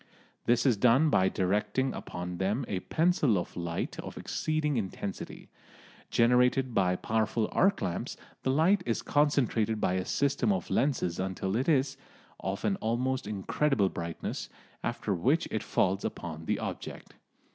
This is done by directing upon them a pencil of light of exceeding intensity. Generated by powerful arc lamps, the light is concentrated by a system of lenses until it is of an almost incredible brightness, after which it falls upon the object.